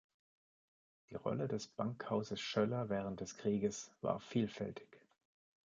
Die Rolle des Bankhauses Schoeller während des Krieges war vielfältig.